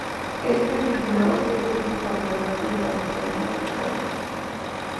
Este título es el único campeonato de la compañía por parejas.